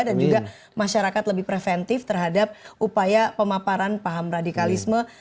dan juga masyarakat lebih preventif terhadap upaya pemaparan paham radikalisme